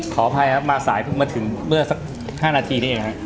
ขออภัยครับมาสายเพิ่งมาถึงเมื่อสัก๕นาทีนี้เองครับ